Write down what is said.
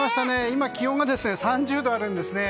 今は気温が３０度あるんですね。